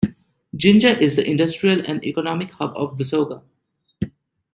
Jinja is the industrial and economic hub of Busoga.